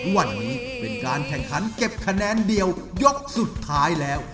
วันนี้เป็นการแข่งขันเก็บคะแนนเดียวยกสุดท้ายแล้ว